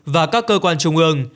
và các cơ quan trung ương